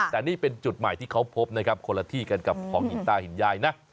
แต่นี่เป็นจุดใหม่ที่เขาพบนะครับคนละที่กันกับของหินตาหินยายนะ